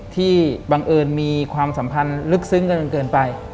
บังเอิญมีความสัมพันธ์ลึกซึ้งกันจนเกินไป